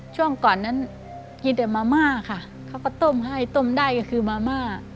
ช่วงก่อนนั้นกินแต่มาม่าค่ะเขาก็ต้มให้ต้มได้ก็คือมาม่า